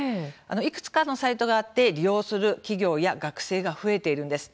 いくつかのサイトがあって利用する企業や学生が増えているんです。